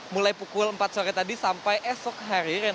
mulai pukul empat sore tadi sampai esok hari